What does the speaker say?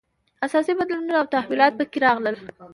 اساسي بدلونونه او تحولات په کې راغلل.